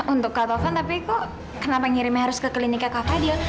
untuk kak telepon tapi kok kenapa ngirimnya harus ke kliniknya kak fadil